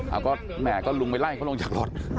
แล้วก็แม่ก็ลุงไปไล่เขาลงจากรถ